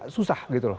susah gitu loh